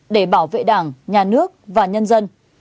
để bảo vệ đảng nhà nước và nhân dân